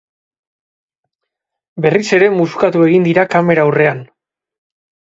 Berriz ere musukatu egin dira kamera aurrean.